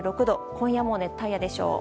今夜も熱帯夜でしょう。